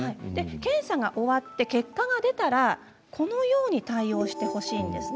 検査が終わって結果が出たらこのように対応してください。